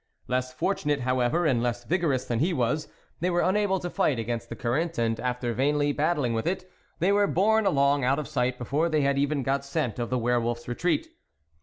Less fortunate, however, and less vigorous than he was, they were unable to fight against the current, and after vainly battling with it, they were borne along out of sight before they had even THE WOLF LEADER got scent of the were wolf's retreat.